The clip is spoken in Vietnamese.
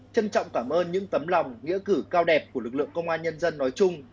trân trọng cảm ơn những tấm lòng nghĩa cử cao đẹp của lực lượng công an nhân dân nói chung